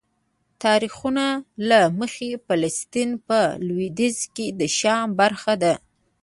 د تاریخونو له مخې فلسطین په لویدیځ کې د شام برخه ده.